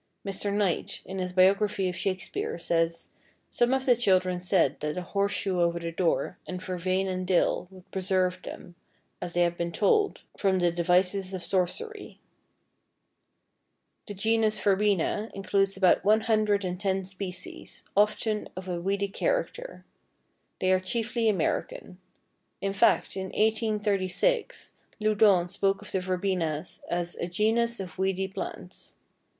Mr. Knight, in his biography of Shakespeare, says: "Some of the children said that a horseshoe over the door, and Vervain and dill, would preserve them, as they had been told, from the devices of sorcery." The genus Verbena includes about one hundred and ten species, often of a weedy character. They are chiefly American. In fact, in 1836, Loudon spoke of the Verbenas as "a genus of weedy plants."